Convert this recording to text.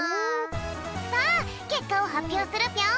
さあけっかをはっぴょうするぴょん。